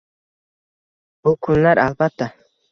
Bu kunlar albatta